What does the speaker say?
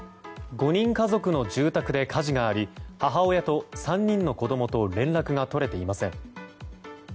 ５人家族の住宅で火事があり母親と３人の子供と連絡が取れていません。